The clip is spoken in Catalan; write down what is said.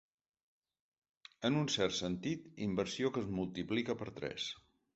En un cert sentit, inversió que es multiplica per tres.